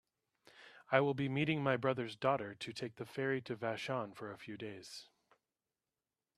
I will be meeting my brother's daughter to take the ferry to Vashon for a few days.